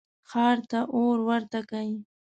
ښار ته اور ورته کئ.